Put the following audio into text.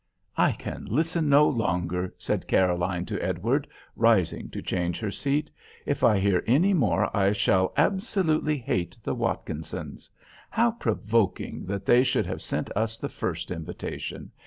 "I can listen no longer," said Caroline to Edward, rising to change her seat. "If I hear any more I shall absolutely hate the Watkinsons. How provoking that they should have sent us the first invitation.